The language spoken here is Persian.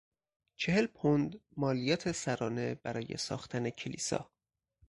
چهل پوند مالیات سرانه برای ساختن کلیسا